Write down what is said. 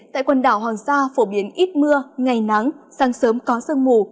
tại quần đảo hoàng sa phổ biến ít mưa ngày nắng sáng sớm có sương mù